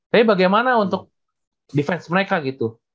tapi bagaimana untuk defense mereka gitu